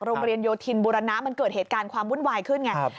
โยนโยธินบุรณะมันเกิดเหตุการณ์ความวุ่นวายขึ้นไง